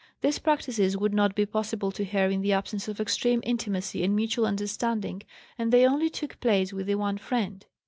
These practices would not be possible to her in the absence of extreme intimacy and mutual understanding, and they only took place with the one friend.